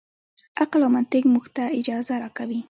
عقل او منطق موږ ته اجازه راکوي.